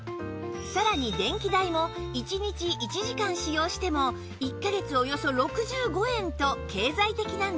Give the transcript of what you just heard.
さらに電気代も１日１時間使用しても１カ月およそ６５円と経済的なんです